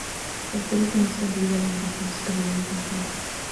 El tabique nasal divide la nariz en dos cavidades nasales.